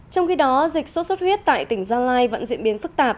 trong khi đó dịch sốt xuất huyết tại tỉnh gia lai vẫn diễn biến phức tạp